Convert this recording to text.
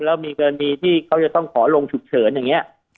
แล้วมีกรณีที่เขาจะต้องขอลงฉุกเฉินอย่างนี้